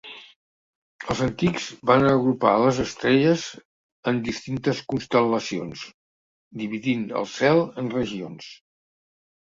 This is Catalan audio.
Els antics van agrupar les estreles en distintes constel·lacions, dividint el cel en regions.